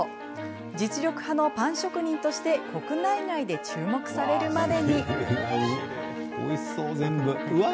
実力派のパン職人として国内外で注目されるまでに。